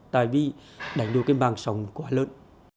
tại vì đánh đuôi cái màng sòng quá lớn